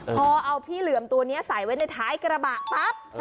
พอเอาพี่เหลือมตัวนี้ใส่ไว้ในท้ายกระบะปั๊บ